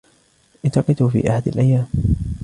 التقيته في أحد الأيام.